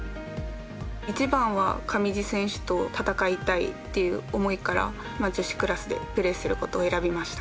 一番は上地選手と戦いたいっていう思いから女子クラスでプレーすることを選びました。